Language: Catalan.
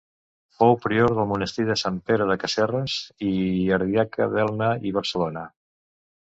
Fou prior del monestir de Sant Pere de Casserres i ardiaca d'Elna i Barcelona.